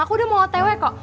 aku udah mau tw kok